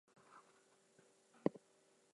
Warmax ginger drink with honey and lemon